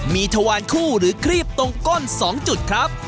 มีทวารคู่หรือครีบตรงก้น๒จุดครับ